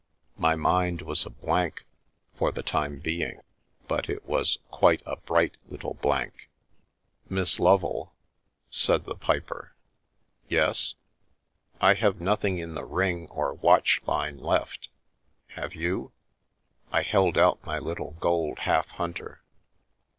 My mind was a blank for the time being, but it was quite a bright little blank. London River " Miss Lovel," said the piper. "Yes?" " I have nothing in the ring or watch line left. Have you?" I held out my little gold half hunter.